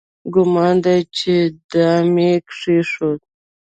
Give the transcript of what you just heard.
ګومان دی چې دام یې کېښود.